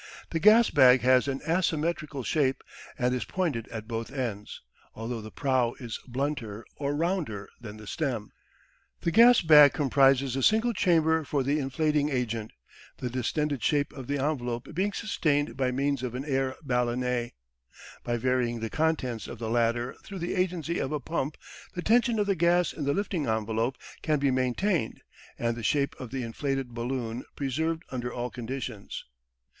The gas bag has an asymmetrical shape, and is pointed at both ends, although the prow is blunter or rounder than the stem. The gas bag comprises a single chamber for the inflating agent, the distended shape of the envelope being sustained by means of an air ballonet. By varying the contents of the latter through the agency of a pump the tension of the gas in the lifting envelope can be maintained, and the shape of the inflated balloon preserved under all conditions.